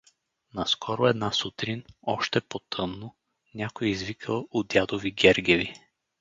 Наскоро една сутрин, още по тъмно, някой извика у дядови Гергеви.